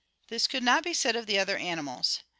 This could not be said of the other animals.